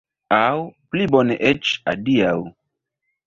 Aŭ, pli bone eĉ, adiaŭ!